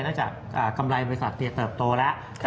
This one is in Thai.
เนื่องจากกำไรบริษัทเติบโตแล้ว